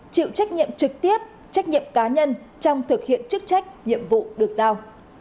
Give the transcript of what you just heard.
chịu trách nhiệm trực tiếp trách nhiệm cá nhân trong thực hiện chức trách nhiệm vụ được giao